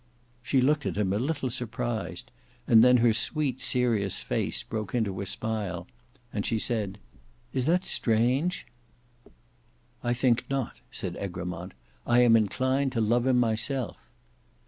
She looked at him a little surprised; and then her sweet serious face broke into a smile and she said, "And is that strange?" "I think not," said Egremont; "I am inclined to love him myself."